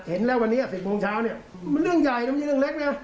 เห็นแล้ววันนี้๑๐โมงเช้าเนี่ยมันเรื่องใหญ่นะมันมีเรื่องเล็กไง